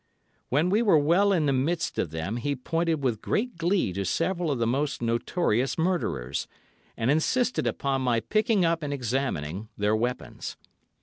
When we were well in the midst of them, he pointed with great glee to several of the most notorious murderers, and insisted upon my picking up and examining their weapons.